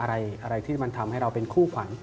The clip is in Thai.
อะไรที่มันทำให้เราเป็นคู่ขวัญ